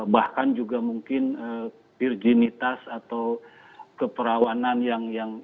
bahkan juga mungkin virginitas atau keperawanan yang